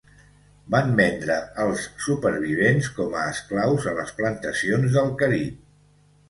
Van vendre els supervivents com a esclaus a les plantacions del Carib.